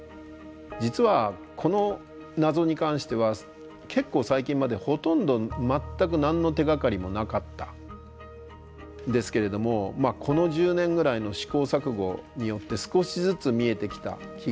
実はこの謎に関しては結構最近までほとんど全く何の手がかりもなかったんですけれどもこの１０年ぐらいの試行錯誤によって少しずつ見えてきた気がしています。